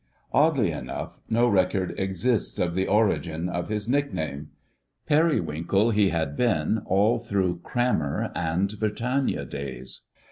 * Oddly enough, no record exists of the origin of his nickname. "Periwinkle" he had been all through crammer and Britannia days.